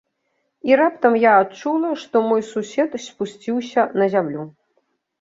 І раптам я адчула, што мой сусед спусціўся на зямлю.